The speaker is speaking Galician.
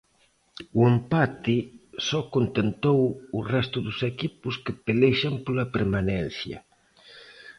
O empate só contentou o resto dos equipos que pelexan pola permanencia.